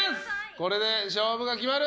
これで勝負が決まる。